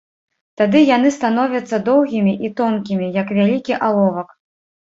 Тады яны становяцца доўгімі і тонкімі, як вялікі аловак.